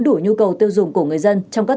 đủ nhu cầu tiêu dùng của người dân trong các